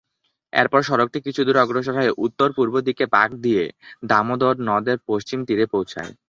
এর পর সড়কটি কিছু দূর অগ্রসর হয়ে উত্তর-পূব দিকে বাঁক নিয়ে দামোদর নদের পশ্চিম তীরে পৌছায়।